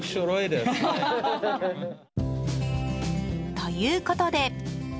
ということで。